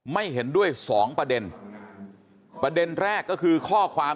ไม่เห็นด้วยสองประเด็นประเด็นแรกก็คือข้อความ